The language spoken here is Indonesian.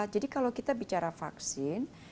jadi kalau kita bicara vaksin